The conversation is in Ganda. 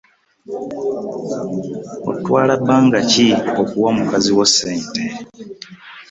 Otwala banga ki okuwa mukaziwo ssente?